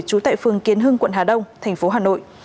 trú tại phường kiến hưng quận hà đông thành phố hà nội